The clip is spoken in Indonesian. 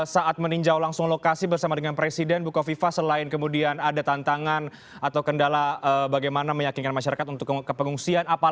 saat meninjau langsung lokasi bersama dengan presiden bukoviva selain kemudian ada tantangan atau kendala bagaimana meyakinkan masyarakat untuk kepengungsian